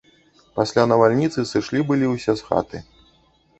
Пасля навальніцы сышлі былі ўсе з хаты.